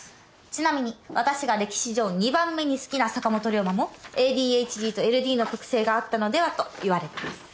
ちなみに私が歴史上２番目に好きな坂本龍馬もＡＤＨＤとＬＤの特性があったのではといわれてます。